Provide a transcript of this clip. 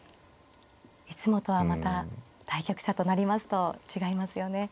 いつもとはまた対局者となりますと違いますよね。